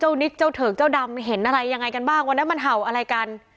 นิดเจ้าเถิกเจ้าดำเห็นอะไรยังไงกันบ้างวันนั้นมันเห่าอะไรกัน